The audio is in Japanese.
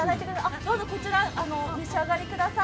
どうぞ、こちら召し上がりください。